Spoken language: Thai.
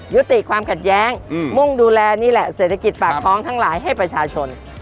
ยุติความขัดแย้งมุ่งดูแลนี่แหละเศรษฐกิจปากท้องทั้งหลายให้ประชาชน